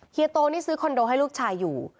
โตนี่ซื้อคอนโดให้ลูกชายอยู่